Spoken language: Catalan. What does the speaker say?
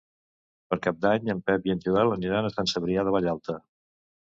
Per Cap d'Any en Pep i en Joel aniran a Sant Cebrià de Vallalta.